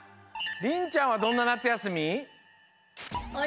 りんちゃんはどんななつやすみ？